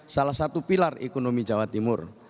salah satu pilar ekonomi jawa timur